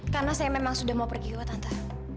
karena saya memang sudah mau pergi loh tante